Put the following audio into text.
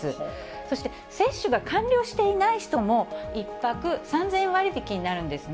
そして接種が完了していない人も１泊３０００円割引になるんですね。